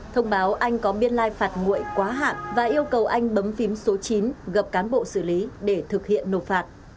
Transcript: thông báo anh có biên lai phạt nguội quá hạn và yêu cầu anh bấm phím số chín gặp cán bộ xử lý để thực hiện nộp phạt